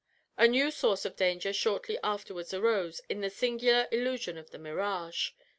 A new source of danger shortly afterwards arose, in the singular illusion of the mirage.